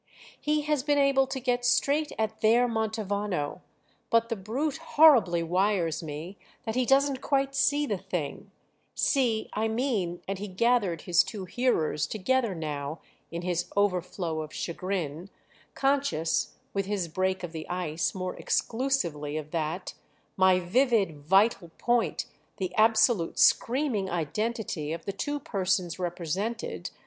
He has been able to get straight at their Mantovano, but the brute horribly wires me that he doesn't quite see the thing; see, I mean"—and he gathered his two hearers together now in his overflow of chagrin, conscious, with his break of the ice, more exclusively of that—"my vivid vital point, the absolute screaming identity of the two persons represented.